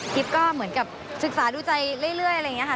ก็เหมือนกับศึกษาดูใจเรื่อยอะไรอย่างนี้ค่ะ